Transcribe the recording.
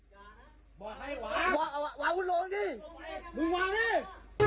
มันมาดีไม่มีมันอยู่หลัง